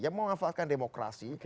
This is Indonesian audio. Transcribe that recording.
yang memanfaatkan demokrasi